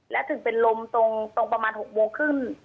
และถึงเป็นลมตรงประมาณ๖โมงครึ่ง